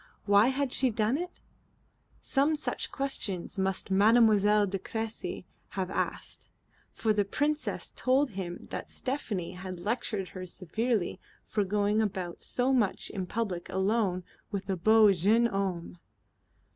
Why had she done it? Some such questions must Mademoiselle de Cressy have asked, for the Princess told him that Stephanie had lectured her severely for going about so much in public alone with a beau jeune homme.